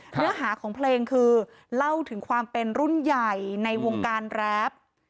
เนื้อหาของเพลงคือเล่าถึงความเป็นรุ่นใหญ่ในวงการแรป